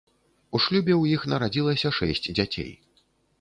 У шлюбе ў іх нарадзілася шэсць дзяцей.